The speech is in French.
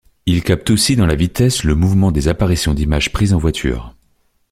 Il capte aussi dans la vitesse le mouvement des apparitions d'images prises en voiture.